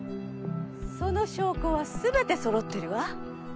その証拠は全て揃ってるわ。